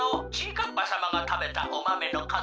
かっぱさまがたべたおマメのかずは？」。